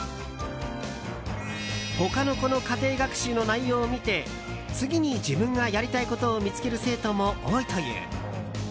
他の子の家庭学習の内容を見て次に自分がやりたいことを見つける生徒も多いという。